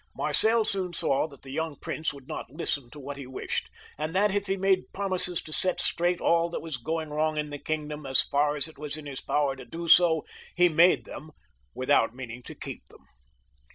Marcel soon saw that the young prince would not listen to what he wished, and that if he made promises to set straight all that was going wrong in the kingdom, as far as it was in his power to do so, he made them without meaning to keep them.